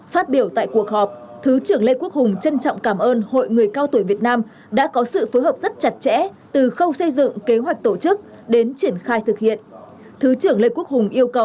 phát biểu tại cuộc họp thứ trưởng lê quốc hùng trân trọng cảm ơn hội người cao tuổi việt nam đã có sự phối hợp rất chặt chẽ từ khâu xây dựng kế hoạch tổ chức đến triển khai thực hiện